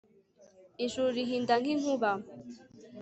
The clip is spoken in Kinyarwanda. ijuru rihinda nk'inkuba